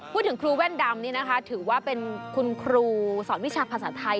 ครูแว่นดำนี่นะคะถือว่าเป็นคุณครูสอนวิชาภาษาไทย